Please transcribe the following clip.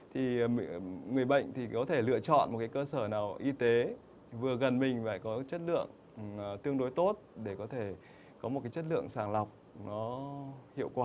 thì người bệnh thì có thể lựa chọn một cái cơ sở nào y tế vừa gần mình phải có chất lượng tương đối tốt để có thể có một cái chất lượng sàng lọc nó hiệu quả